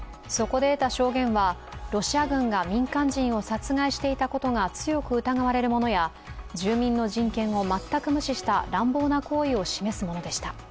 そこで得た証言はロシア軍が民間人を殺害していたことが強く疑われるものや、住民の人権を全く無視した乱暴な行為を示すものでした。